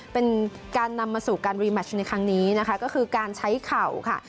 เป็นการนำมาสู่การรีแมชในครั้งนี้นะคะก็คือการใช้เข่าค่ะ